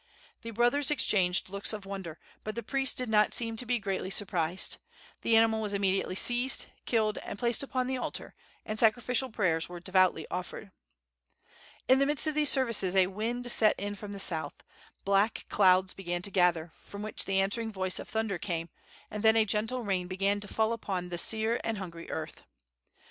The brothers exchanged looks of wonder, but the priest did not seem to be greatly surprised. The animal was immediately seized, killed and placed upon the altar, and sacrificial prayers were devoutly offered. In the midst of these services a wind set in from the south. Black clouds began to gather, from which the answering voice of thunder came, and then a gentle rain began to fall upon the sere and hungry earth.